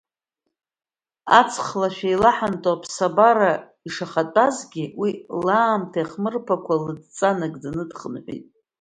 Аҵхлашә еилаҳанто аԥсабара ишахатәазгьы, уи лаамҭа иахмырԥакәа лыдҵа нагӡаны дхынҳәит.